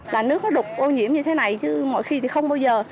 là nước nó đục ô nhiễm như thế này chứ mọi khi thì không bao giờ